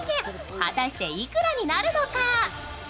果たしていくらになるのか。